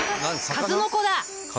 数の子だ！